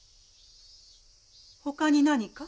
ほかに何か？